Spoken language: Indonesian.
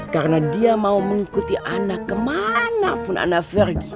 karena dia mau mengikuti ana kemana pun ana pergi